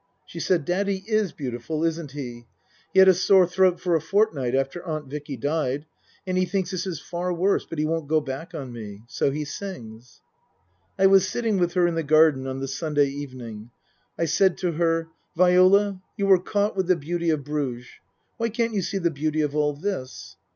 She said, " Daddy is beautiful, isn't he ? He had a sore throat for a fortnight after Aunt Vicky died. And he thinks this is far worse, but he won't go back on me. So he sings." I was sitting with her in the garden on the Sunday evening. I said to her, " Viola, you were caught with the beauty of Bruges. Why can't you see the beauty of all this